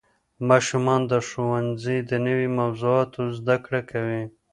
ماشومان د ښوونځي د نوې موضوعاتو زده کړه کوي